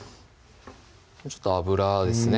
ちょっと油ですね